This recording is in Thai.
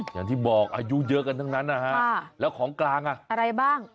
อย่างที่บอกอายุเยอะกันทั้งนั้นนะฮะแล้วของกลางอ่ะอะไรบ้าง